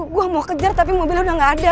gue mau kejar tapi mobilnya udah gak ada